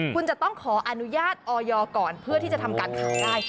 คุณจะต้องขออนุญาตออยก่อนเพื่อที่จะทำการขายได้